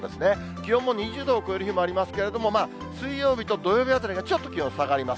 気温も２０度を超える日もありますけれども、水曜日と土曜日あたりがちょっと気温下がります。